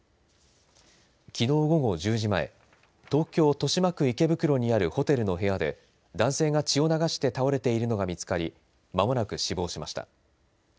きのう午後１０時前東京・豊島区池袋にあるホテルの部屋で男性が血を流して倒れているのが見つかりまもなく死亡しました。